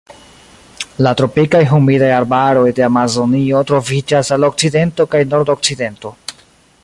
La tropikaj humidaj arbaroj de Amazonio troviĝas al okcidento kaj nordokcidento.